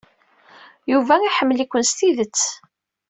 Yuba iḥemmel-iken s tidet.